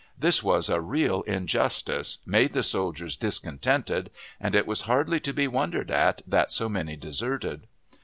This was a real injustice, made the soldiers discontented, and it was hardly to be wondered at that so many deserted.